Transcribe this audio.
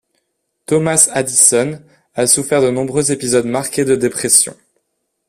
Thomas Addison a souffert de nombreux épisodes marqués de dépression.